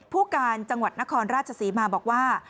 ผู้การจังหวัดนครราชศรีมาบอกว่า